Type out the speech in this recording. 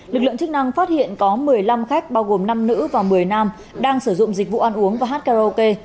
lực lượng chức năng phát hiện có một mươi năm khách bao gồm năm nữ và một mươi nam đang sử dụng dịch vụ ăn uống và hát karaoke